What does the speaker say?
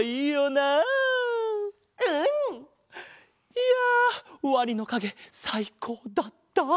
いやワニのかげさいこうだった。